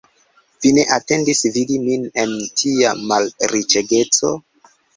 Vi ne atendis vidi min en tia malriĉegeco?